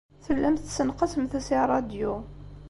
Tellamt tessenqasemt-as i ṛṛadyu.